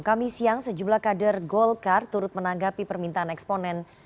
kami siang sejumlah kader golkar turut menanggapi permintaan eksponen